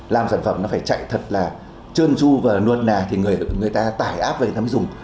làm sản phẩm nó phải chạy thật là chơn chu và nuột nà thì người ta tải app về người ta mới dùng